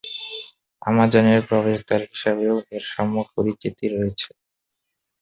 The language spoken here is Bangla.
আমাজনের প্রবেশদ্বার হিসেবেও এর সম্যক পরিচিতি রয়েছে।